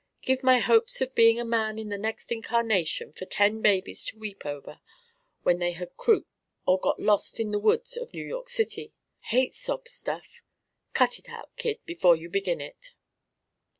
Give my hopes of being a man in the next incarnation for ten babies to weep over when they had croup or got lost in the woods of New York City. Hate sob stuff. Cut it out, kid, before you begin it."